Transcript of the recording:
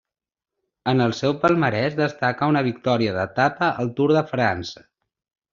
En el seu palmarès destaca una victòria d'etapa al Tour de França.